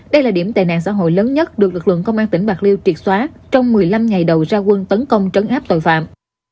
đây là điểm tệ nạn xã hội lớn nhất được lực lượng công an tỉnh bạc liêu triệt xóa trong một mươi năm ngày đầu ra quân tấn công trấn áp tội phạm